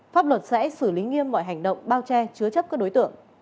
pháp luật sẽ xử lý nghiêm mọi hành động bao che chứa chấp các đối tượng